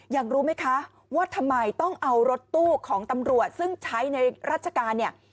รู้ไหมคะว่าทำไมต้องเอารถตู้ของตำรวจซึ่งใช้ในราชการเนี่ย